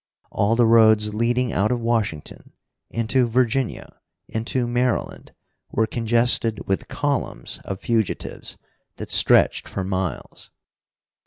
All the roads leading out of Washington into Virginia, into Maryland, were congested with columns of fugitives that stretched for miles.